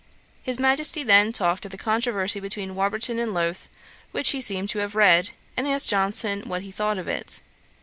His Majesty then talked of the controversy between Warburton and Lowth, which he seemed to have read, and asked Johnson what he thought of it.